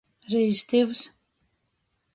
Rīstivs.